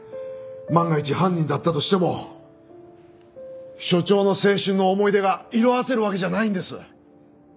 万が一犯人だったとしても署長の青春の思い出が色あせるわけじゃないんです。